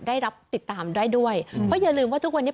ได้รับติดตามได้ด้วยเพราะอย่าลืมว่าทุกวันนี้